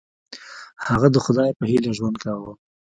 هغه د خدای په هیله ژوند کاوه.